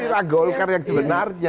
ini lah golkar yang sebenarnya